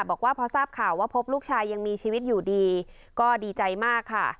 บอกว่าพอทราบข่าวว่าพบลูกชายยังมีชีวิตอยู่ดีก็ดีใจมากค่ะ